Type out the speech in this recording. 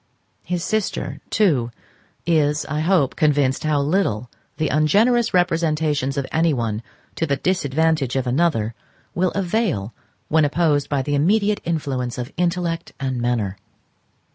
His sister, too, is, I hope, convinced how little the ungenerous representations of anyone to the disadvantage of another will avail when opposed by the immediate influence of intellect and manner.